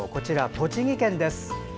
栃木県です。